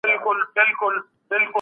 فساد کوونکي بايد قانون ته وسپارل سي.